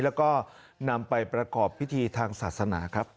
แล้วก็นำไปประกอบพิธีทางศาสนาครับ